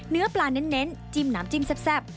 เนื้อปลาเน้นจิ้มน้ำจิ้มแซ่บ